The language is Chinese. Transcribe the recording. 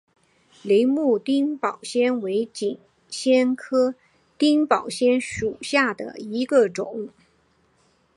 铃木顶苞藓为锦藓科顶苞藓属下的一个种。